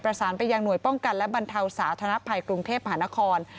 ประสานไปยังหน่วยป้องกันและบรรเทาสาธารณภัยกรุงเทพหานคร